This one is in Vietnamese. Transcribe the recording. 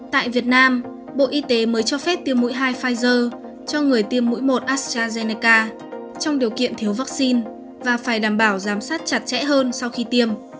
tại việt nam bộ y tế mới cho phép tiêm mũi hai pfizer cho người tiêm mũi một astrazeneca trong điều kiện thiếu vaccine và phải đảm bảo giám sát chặt chẽ hơn sau khi tiêm